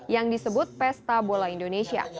yang disebut pesta bola indonesia